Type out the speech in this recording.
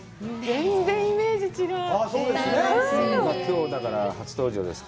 全然イメージと違う。